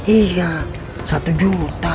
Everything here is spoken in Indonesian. iya satu juta